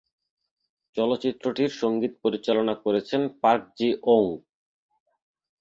চলচ্চিত্রটির সঙ্গীত পরিচালনা করেছেন পার্ক জি-ওঙ্গ।